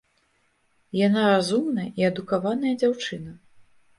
Яна разумная і адукаваная дзяўчына.